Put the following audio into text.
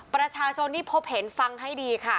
ประชาชนที่พบเห็นฟังให้ดีค่ะ